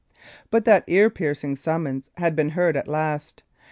But that ear piercing summons had been heard at last.